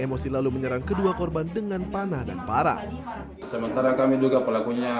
emosi lalu menyerang kedua korban dengan panah dan parah sementara kami juga pelakunya